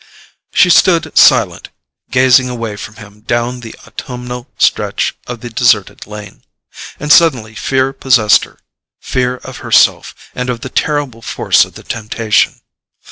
She stood silent, gazing away from him down the autumnal stretch of the deserted lane. And suddenly fear possessed her—fear of herself, and of the terrible force of the temptation.